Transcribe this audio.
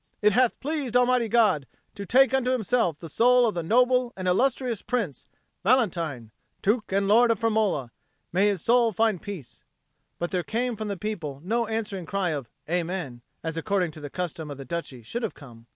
It hath pleased Almighty God to take unto Himself the soul of the noble and illustrious Prince, Valentine, Duke and Lord of Firmola. May his soul find peace!" But there came from the people no answering cry of "Amen," as, according to the custom of the Duchy, should have come.